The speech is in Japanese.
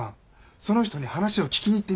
その人に話を聞きに行ってみましょう。